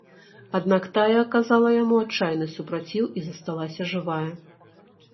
Аднак тая аказала яму адчайны супраціў і засталася жывая.